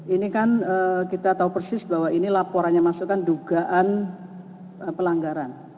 ini kan kita tahu persis bahwa ini laporannya masukkan dugaan pelanggaran